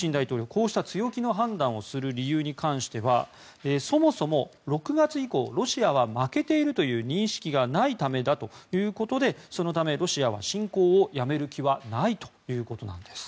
こうした強気の判断をする理由に関してはそもそも６月以降ロシアは負けているという認識がないためだということでそのためロシアは侵攻をやめる気はないということなんです。